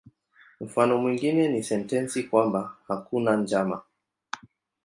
Mfano mwingine ni sentensi kwamba "hakuna njama".